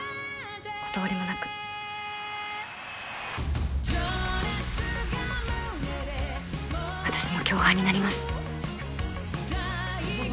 断りもなく私も共犯になります